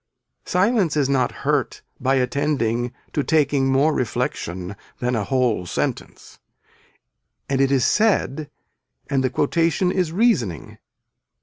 Silence is not hurt by attending to taking more reflection than a whole sentence. And it is said and the quotation is reasoning.